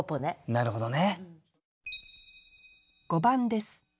なるほどね。